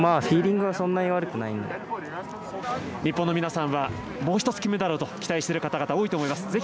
フィーリングはそんなに悪くないので日本の皆さんはもう１つ金メダルをと期待している方々多いと思います。